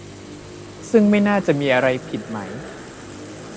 ซึ่งไม่น่าจะมีอะไรผิดไหม ?